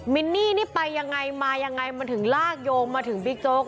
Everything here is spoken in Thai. มินนี่นี่ไปยังไงมายังไงมันถึงลากโยงมาถึงบิ๊กโจ๊ก